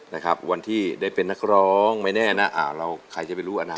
นะครับวันที่ได้เป็นนักร้องไม่แน่นะอ่าเราใครจะไปรู้อนาค